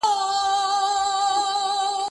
ایا تاسو نجار پېژنئ؟